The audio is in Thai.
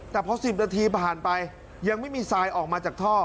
แต่พอ๑๐นาทีผ่านไปยังไม่มีทรายออกมาจากท่อ